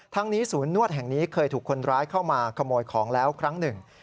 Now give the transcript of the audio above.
นี้ศูนย์นวดแห่งนี้เคยถูกคนร้ายเข้ามาขโมยของแล้วครั้งหนึ่ง